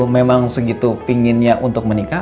memang segitu pinginnya untuk menikah